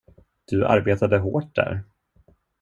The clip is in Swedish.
Du arbetade hårt där.